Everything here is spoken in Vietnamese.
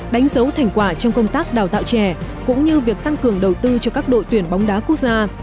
đánh dấu thành quả trong công tác đào tạo trẻ cũng như việc tăng cường đầu tư cho các đội tuyển bóng đá quốc gia